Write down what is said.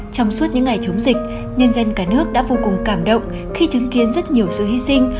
trong suốt những ngày chống dịch nhân dân cả nước đã vô cùng cảm động khi chứng kiến rất nhiều sự hy sinh